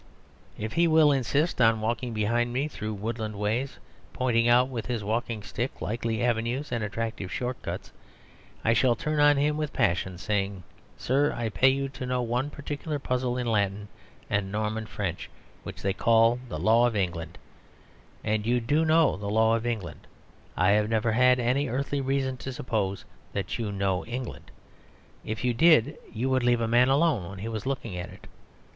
If he will insist on walking behind me through woodland ways, pointing out with his walking stick likely avenues and attractive short cuts, I shall turn on him with passion, saying: "Sir, I pay you to know one particular puzzle in Latin and Norman French, which they call the law of England; and you do know the law of England. I have never had any earthly reason to suppose that you know England. If you did, you would leave a man alone when he was looking at it."